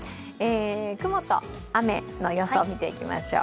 雲と雨の予想を見ていきましょう。